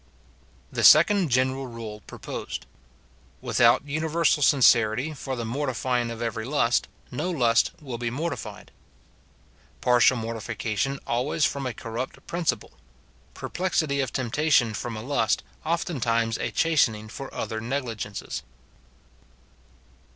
The second general rule proposed — Without universal sincerity for the mortifying of every lust, no lust vfill be mortified — Partial mortification always from a corrupt principle — Perplexity of temptation from a lust oftentimes a chastening for other negli gences.